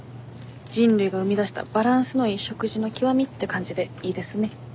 人類が生み出したバランスのいい食事の極みって感じでいいですね。